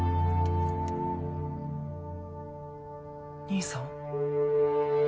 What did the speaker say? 兄さん？